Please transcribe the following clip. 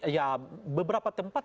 ya beberapa tempat